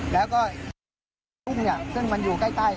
แล้วก็ซึ่งมันอยู่ใกล้ใต้